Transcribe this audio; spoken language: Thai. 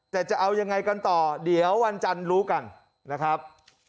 แต่จะเอายังไงกันต่อเดี๋ยววันจันทร์รู้กันนะครับ